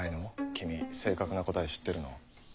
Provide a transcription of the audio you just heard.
君正確な答え知ってるの？